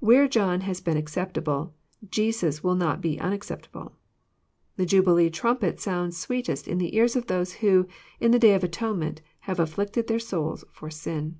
Where John has been acceptable, Jesns will not be unacceptable. The Jubilee trumpet sounds sweetest in the ears of those who, in the day of atone ment, have afflicted their souls for sin."